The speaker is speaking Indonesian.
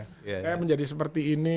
saya menjadi seperti ini